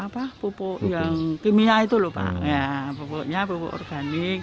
ya pupuknya pupuk organik